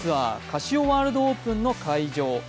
カシオワールドオープンの会場。